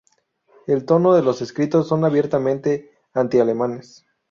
El tono de los escritos son abiertamente anti-alemanes.